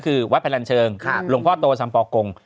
ก็คือวัดแผ่นลันเชิงหรูหรือวัดโทสัมปรโกง